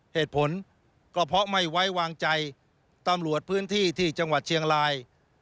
เหตุผลก็เพราะไม่ไว้วางใจตำรวจพื้นที่ที่จังหวัดเชียงราย